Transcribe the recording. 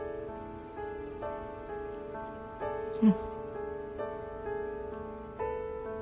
うん。